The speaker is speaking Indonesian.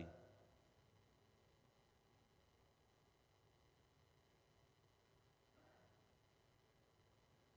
ini sebagai contoh